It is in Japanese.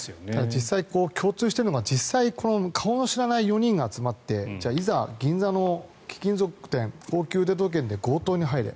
実際、共通してるのは顔の知らない４人が集まっていざ、銀座の貴金属店高級腕時計店で強盗に入れ。